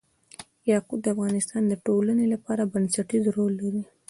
یاقوت د افغانستان د ټولنې لپاره بنسټيز رول لري.